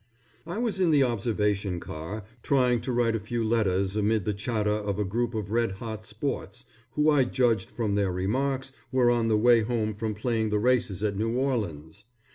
I was in the observation car, trying to write a few letters amid the chatter of a group of red hot sports, who I judged from their remarks, were on the way home from playing the races at New Orleans.